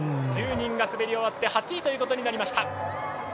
１０人が滑り終わって８位ということになりました。